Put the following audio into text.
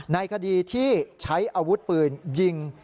ในคดีที่ใช้อาวุธปืนยิง